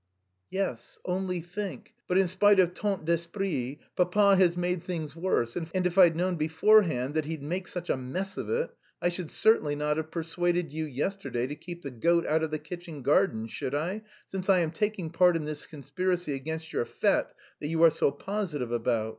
"Yes, only think. But in spite of tant d'esprit papa has made things worse, and if I'd known beforehand that he'd make such a mess of it, I should certainly not have persuaded you yesterday to keep the goat out of the kitchen garden, should I since I am taking part in this conspiracy against your fête that you are so positive about?